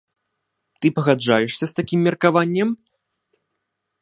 Ты пагаджаешся з такім меркаваннем?